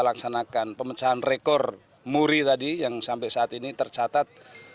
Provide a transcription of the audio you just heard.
laksanakan pemecahan rekor muri tadi yang sampai saat ini tercatat